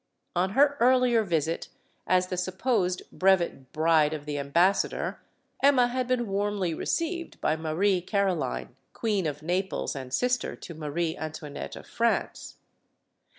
On her earlier visit, as the sup posed brevet bride of the ambassador, Emma had been warmly received by Marie Caroline, Queen of Naples and sister to Marie Antoinette of France.